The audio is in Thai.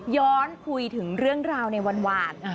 ย้อนคุยถึงเรื่องราวในวัน